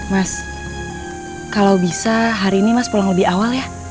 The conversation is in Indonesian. mas kalau bisa hari ini mas pulang lebih awal ya